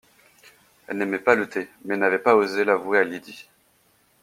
Elle n’aimait pas le thé, mais n’avait pas osé l’avouer à Lydie